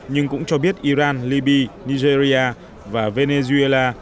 nhưng cũng cho biết iran libya nigeria và venezuela